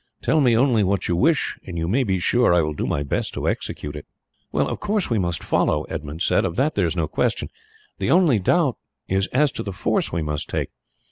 Tell me only what you wish, and you may be sure that I will do my best to execute it." "Of course we must follow," Edmund said; "of that there is no question. The only doubt is as to the force we must take.